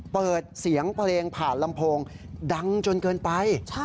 เปิดเสียงเพลงผ่านลำโพงดังจนเกินไป